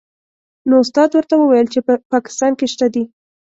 نو استاد ورته وویل چې په پاکستان کې شته دې.